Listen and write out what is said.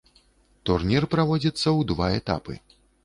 Турнір праводзіцца ў два этапы.